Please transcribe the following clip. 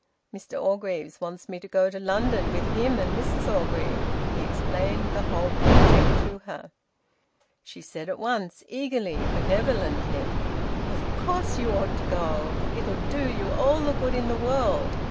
"Mr Orgreave wants me to go to London with him and Mrs Orgreave." He explained the whole project to her. She said at once, eagerly and benevolently "Of course you ought to go. It'll do you all the good in the world.